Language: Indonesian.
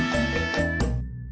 gak ada de